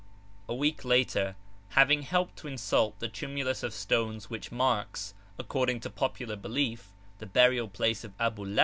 A week later, having helped to insult the tumulus of stones which marks, according to popular belief, the burial place of Abulah?